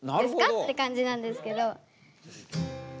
っていう感じなんですけど。